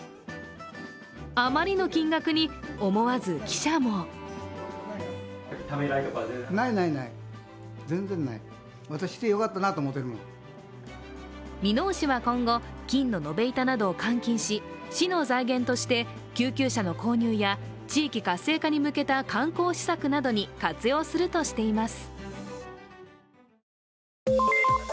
あまりの金額に思わず記者も箕面市は今後、金の延べ板などを換金し、市の財源として救急車の購入や地域活性化に向けた観光施策などに活用するとしています。